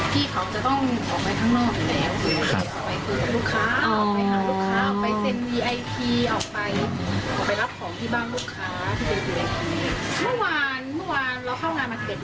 ที่เขาจะต้องออกไปทั้งนอก